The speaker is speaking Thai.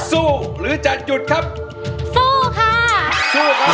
ทั้งในเรื่องของการทำงานเคยทำนานแล้วเกิดปัญหาน้อย